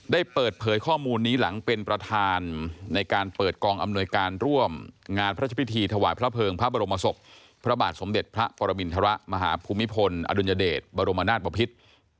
ได้เปิดเผยข้อมูลนี้หลังเป็นประธานในการเปิดกองอำนวยการร่วมงานพระพิธีถวายพระเภิงพระบรมศพพระบาทสมเด็จพระปรมินทรมาหาภูมิพลอดุลยเดชบรมนาศบพิษ